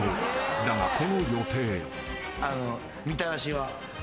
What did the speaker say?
［だがこの予定］